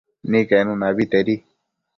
Niquenuna abetedi